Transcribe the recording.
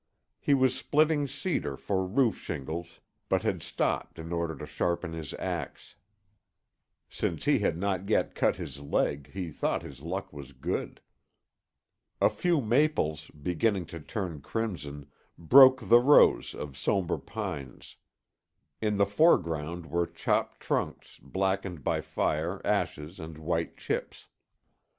He was splitting cedar for roof shingles, but had stopped in order to sharpen his ax. Since he had not yet cut his leg, he thought his luck was good. A few maples, beginning to turn crimson, broke the rows of somber pines. In the foreground were chopped trunks, blackened by fire, ashes and white chips.